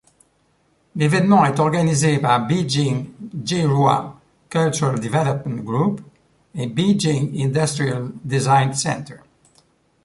L’évènement est organisé par Beijing Gehua Cultural Development Group et Beijing Industrial Design Center.